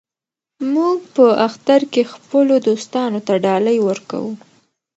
موږ په اختر کې خپلو دوستانو ته ډالۍ ورکوو.